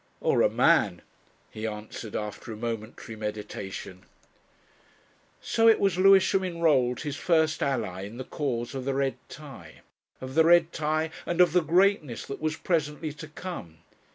"Or a man," he answered after a momentary meditation. So it was Lewisham enrolled his first ally in the cause of the red tie of the red tie and of the Greatness that was presently to come.